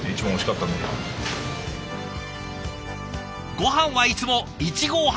ごはんはいつも１合半。